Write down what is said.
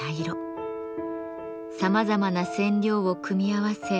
さまざまな染料を組み合わせ